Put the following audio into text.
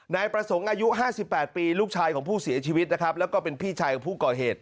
นายประสงค์อายุ๕๘ปีลูกชายของผู้เสียชีวิตนะครับแล้วก็เป็นพี่ชายของผู้ก่อเหตุ